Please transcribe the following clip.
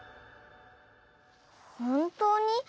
ほんとうに？